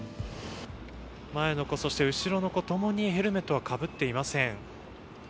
前の子、そして後ろの子どもともに、ヘルメットをかぶっていません。